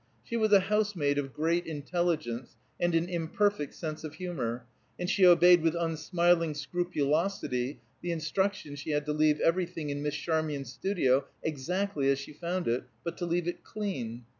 She was a housemaid of great intelligence, and an imperfect sense of humor, and she obeyed with unsmiling scrupulosity the instructions she had to leave everything in Miss Charmian's studio exactly as she found it, but to leave it clean.